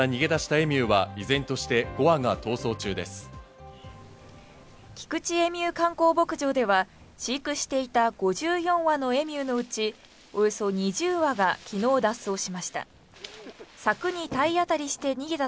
エミュー観光牧場では飼育していた５４羽のエミューのうち、およそ２０羽が昨日脱走しました。